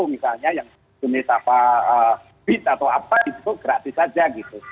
misalnya yang jenis apa bit atau apa itu gratis saja gitu